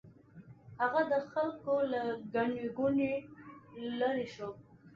هغه د خلکو له ګڼې ګوڼې لرې شو.